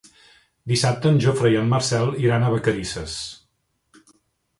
Dissabte en Jofre i en Marcel iran a Vacarisses.